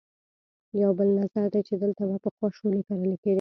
یو بل نظر دی چې دلته به پخوا شولې کرلې کېدې.